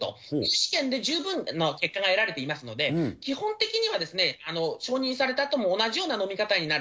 試験で十分な結果が得られていますので、基本的には承認されたあとも同じような飲み方になる。